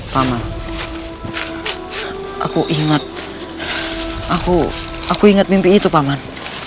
paman aku ingat aku aku ingat mimpi itu paman